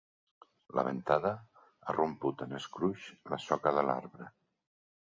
La ventada ha romput en escruix la soca de l'arbre.